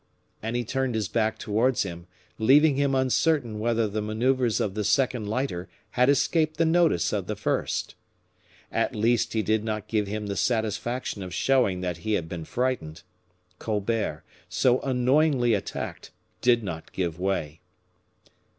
And he turned his back towards him, leaving him uncertain whether the maneuvers of the second lighter had escaped the notice of the first. At least he did not give him the satisfaction of showing that he had been frightened. Colbert, so annoyingly attacked, did not give way.